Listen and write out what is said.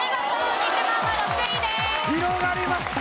広がりました！